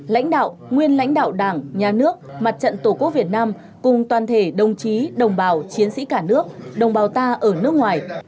lãnh đạo nguyên lãnh đạo đảng nhà nước mặt trận tổ quốc việt nam cùng toàn thể đồng chí đồng bào chiến sĩ cả nước đồng bào ta ở nước ngoài